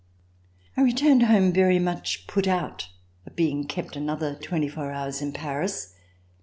I returned home very much put out at being kept another twenty four hours in Paris.